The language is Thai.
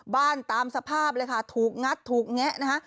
ตามสภาพเลยค่ะถูกงัดถูกแงะนะคะ